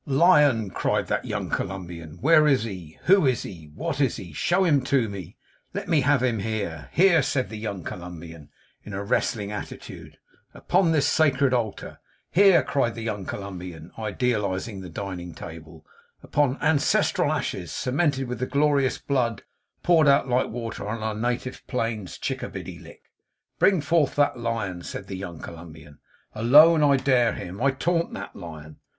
'Lion! (cried that young Columbian) where is he? Who is he? What is he? Show him to me. Let me have him here. Here!' said the young Columbian, in a wrestling attitude, 'upon this sacred altar. Here!' cried the young Columbian, idealising the dining table, 'upon ancestral ashes, cemented with the glorious blood poured out like water on our native plains of Chickabiddy Lick! Bring forth that Lion!' said the young Columbian. 'Alone, I dare him! I taunt that Lion.